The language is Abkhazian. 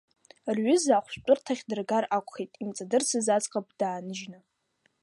Рҩыза ахәшәтәырҭахь дыргар акәхеит, имҵадырсыз аӡӷаб дааныжьны.